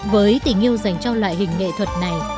với tình yêu dành cho loại hình nghệ thuật này